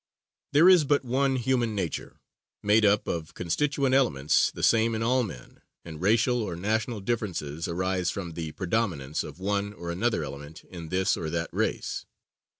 There is but one human nature, made up of constituent elements the same in all men, and racial or national differences arise from the predominance of one or another element in this or that race.